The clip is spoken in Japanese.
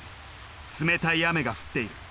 冷たい雨が降っている。